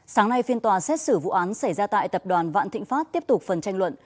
sáng nay phiên tòa xét xử vụ án xảy ra tại tập đoàn vạn thịnh pháp tiếp tục phần tranh luận